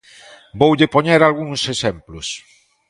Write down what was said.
Voulle poñer algúns exemplos.